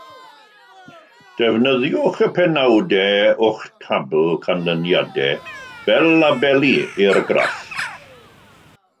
Defnyddiwch y penawdau o'ch tabl canlyniadau fel labeli i'r graff